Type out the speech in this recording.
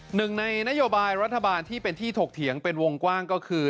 หนึ่งในนโยบายรัฐบาลที่เป็นที่ถกเถียงเป็นวงกว้างก็คือ